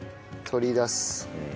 取り出す。